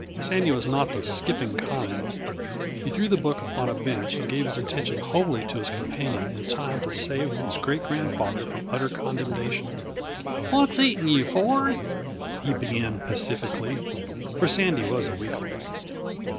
Sandy was not the skipping kind; he threw the book upon a bench and gave his attention wholly to his companion in time to save his great grandfather from utter condemnation. "What's eating you, Ford?" he began pacifically for Sandy was a weakling.